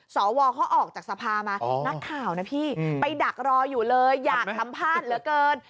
สวเขาออกจากสภามานักข่าวนะพี่ไปดักรออยู่เลยอยากสัมภาษณ์เหลือเกิน